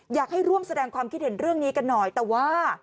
อยากให้ร่วมแสดงความคิดเห็นเรื่องนี้กันหน่อยแต่ว่า